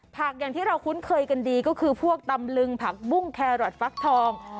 อย่างที่เราคุ้นเคยกันดีก็คือพวกตำลึงผักบุ้งแครอทฟักทอง